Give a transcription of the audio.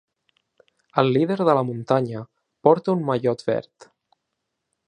El líder de la muntanya porta un mallot verd.